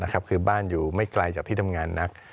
คือบ้านอยู่ไม่ไกลจากที่ทำงานนัก